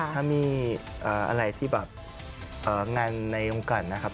ถ้ามีอะไรที่แบบงานในโอกาสนะครับ